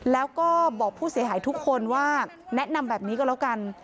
แล้วก็บอกผู้เสียหายทุกคนว่าแนะนำแบบนี้ก็แล้วกัน